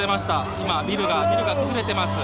今ビルがビルが崩れてます」。